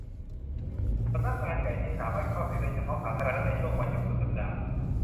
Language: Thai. สำนักงานใหญ่นี้สามารถเข้าถึงได้เฉพาะสาธารณะในช่วงวันหยุดสุดสัปดาห์